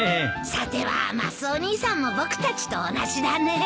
さてはマスオ兄さんも僕たちと同じだね。